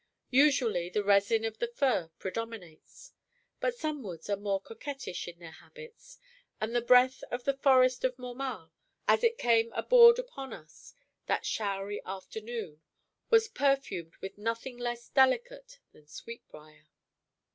Usually the resin of the fir predominates. But some woods are more coquettish in their habits; and the breath of the forest of Mormal, as it came aboard upon us that showery afternoon, was perfumed with nothing less delicate than sweetbrier.